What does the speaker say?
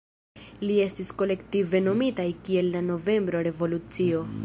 Ili estis kolektive nomitaj kiel la "Novembro Revolucio".